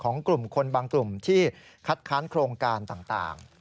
กลุ่มคนบางกลุ่มที่คัดค้านโครงการต่าง